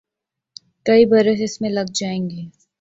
کئی برس اس میں لگ جائیں گے۔